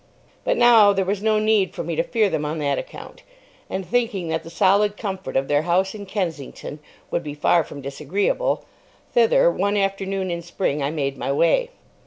But now there was no need for me to fear them on that account, and thinking that the solid comfort of their house in Kensington would be far from disagreeable, thither, one afternoon in spring, I made my way.